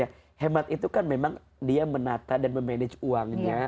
ya hemat itu kan memang dia menata dan memanage uangnya